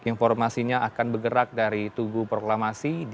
informasinya akan bergerak dari tugu proklamasi di jakarta pusat